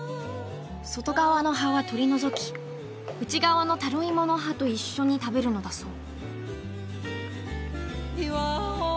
外側の葉は取り除き内側のタロイモの葉と一緒に食べるのだそう